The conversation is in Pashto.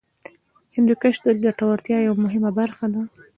هندوکش د ګټورتیا یوه مهمه برخه ده.